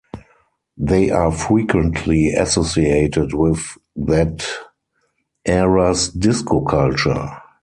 They are frequently associated with that era's disco culture.